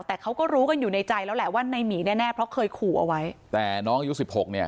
แต่เขาก็รู้กันอยู่ในใจแล้วแหละว่าในหมีแน่แน่เพราะเคยขู่เอาไว้แต่น้องอายุสิบหกเนี่ย